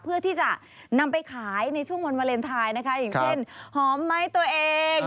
เพื่อที่จะนำไปขายในช่วงวันวาเลนไทยนะคะอย่างเช่นหอมไม้ตัวเอง